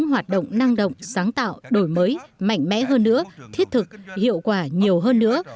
hoạt động năng động sáng tạo đổi mới mạnh mẽ hơn nữa thiết thực hiệu quả nhiều hơn nữa